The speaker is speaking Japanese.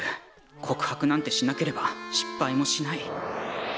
告白なんてしなければ失敗もしない。